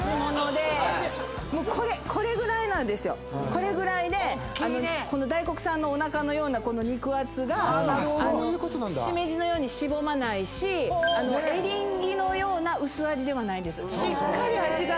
これぐらいで大黒さんのおなかのような肉厚がシメジのようにしぼまないしエリンギのような薄味ではないんです。